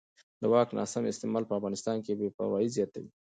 د واک ناسم استعمال په افغانستان کې بې باورۍ زیاتوي